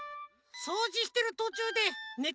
そうじしてるとちゅうでね